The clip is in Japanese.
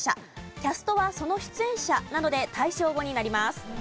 キャストはその出演者なので対照語になります。